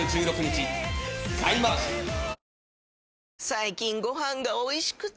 最近ご飯がおいしくて！